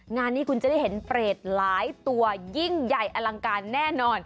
งานนี้คุณจะได้เห็นเปรตหลายตัวยิ่งใหญ่อลังการแน่นอน